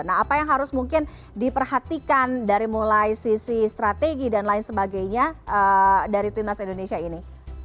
nah apa yang harus mungkin diperhatikan dari mulai sisi strategi dan lain sebagainya dari timnas indonesia ini